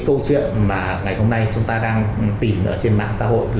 câu chuyện mà ngày hôm nay chúng ta đang tìm ở trên mạng xã hội